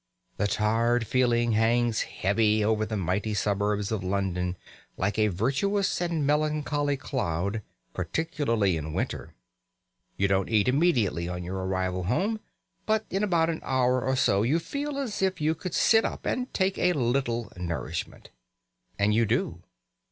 The tired feeling hangs heavy over the mighty suburbs of London like a virtuous and melancholy cloud, particularly in winter. You don't eat immediately on your arrival home. But in about an hour or so you feel as if you could sit up and take a little nourishment. And you do.